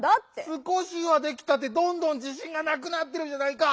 「すこしはできた」ってどんどんじしんがなくなってるじゃないか！